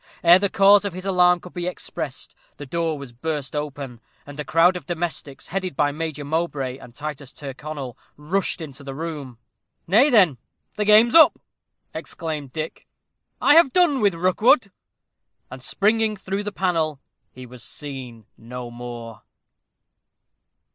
Ere the cause of his alarm could be expressed, the door was burst open, and a crowd of domestics, headed by Major Mowbray and Titus Tyrconnel, rushed into the room. "Nay, then, the game's up!" exclaimed Dick; "I have done with Rookwood." And, springing through the panel, he was seen no more.